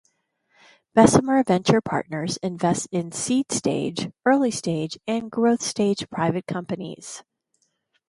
Bessemer Venture Partners invests in seed stage, early stage and growth stage private companies.